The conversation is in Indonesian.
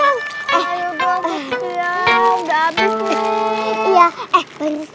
aduh bosan sudah abis